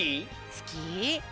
すき？